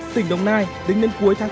tỉnh đồng nai tính đến cuối tháng tám